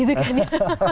iya gitu kan ya